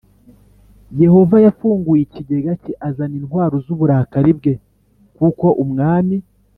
Yehova yafunguye ikigega cye azana intwaro z uburakari bwe kuko umwami